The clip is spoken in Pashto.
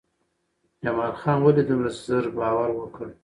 جمال خان ولې دومره زر باور وکړ؟